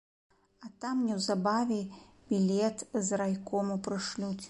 А там неўзабаве й білет з райкому прышлюць.